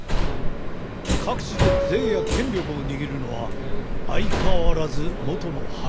各地で税や権力を握るのは相変わらず元の藩主たちだ。